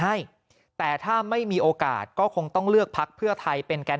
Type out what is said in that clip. ให้แต่ถ้าไม่มีโอกาสก็คงต้องเลือกพักเพื่อไทยเป็นแกน